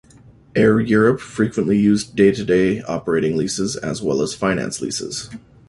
Air Europe frequently used day-to-day operating leases as well as finance leases.